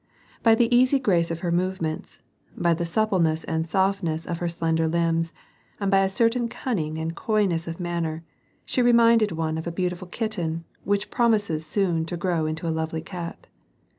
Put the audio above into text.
By the easy grace of her movements, by the suppleness and softness of her slender limbs, and by a certain cunning and coyness of manner, she reminded one of a beautiful kitten which prom ises soon to grow into a lovely cat.